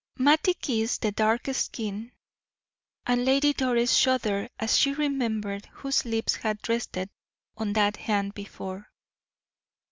Mattie kissed the dark skin, and Lady Doris shuddered as she remembered whose lips had rested on that hand before.